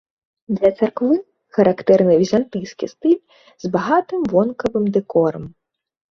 Для царквы характэрны візантыйскі стыль з багатым вонкавым дэкорам.